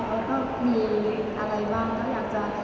เขาก็มีอะไรบ้างก็อยากจะ